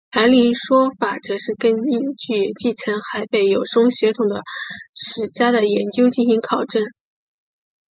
而另一说法则是根据继承海北友松血统的史家的研究进行考证。